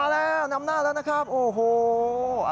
แล้วนำหน้าแล้วนะครับโอ้โห